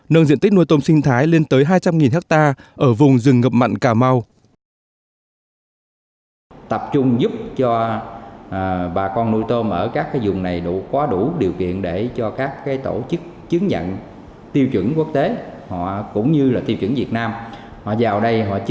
nâng diện tích nuôi tôm sinh thái lên tới hai trăm linh ha ở vùng rừng ngập mặn cà mau